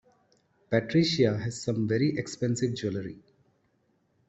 Patricia has some very expensive jewellery